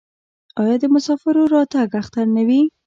آیا د مسافر راتګ اختر نه وي؟